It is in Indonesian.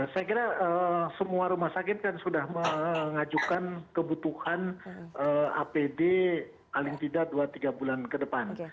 saya kira semua rumah sakit kan sudah mengajukan kebutuhan apd paling tidak dua tiga bulan ke depan